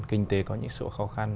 kinh tế có những sự khó khăn